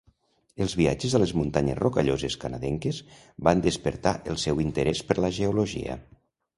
Els viatges a les muntanyes Rocalloses canadenques van despertar el seu interès per la geologia.